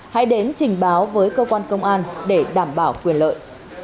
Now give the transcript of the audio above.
hãy đến trình báo với cơ quan công an để đảm bảo quyền lợi